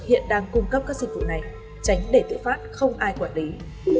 hiện đang cung cấp các dịch vụ này tránh để tự phát không ai quản lý